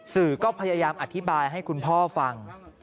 สื่อก็พยายามอธิบายให้คุณพ่อฟัง